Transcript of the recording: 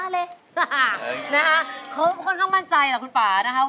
ว่าเธอมันมีเหมือนแดนร้าย